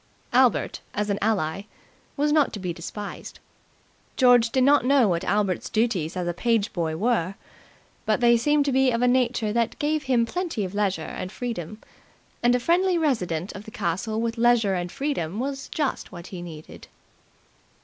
Albert, as an ally, was not to be despised. George did not know what Albert's duties as a page boy were, but they seemed to be of a nature that gave him plenty of leisure and freedom; and a friendly resident of the castle with leisure and freedom was just what he needed.